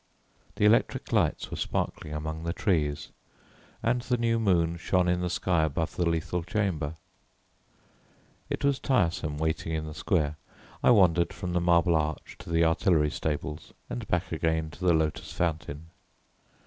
The electric lights were sparkling among the trees, and the new moon shone in the sky above the Lethal Chamber. It was tiresome waiting in the square; I wandered from the Marble Arch to the artillery stables and back again to the lotos fountain.